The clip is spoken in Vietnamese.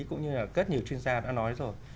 cũng như rất nhiều chuyên gia đã nói rồi